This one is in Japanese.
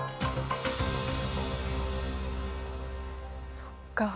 そっか。